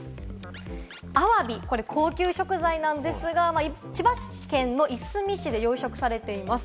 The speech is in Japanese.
アワビ、高級食材なんですが、千葉県のいすみ市で養殖されています。